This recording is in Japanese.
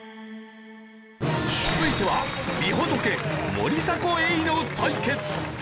続いてはみほとけ森迫永依の対決。